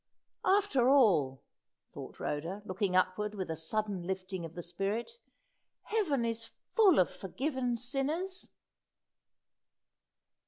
"After all," thought Rhoda, looking upward with a sudden lifting of the spirit, "heaven is full of forgiven sinners!"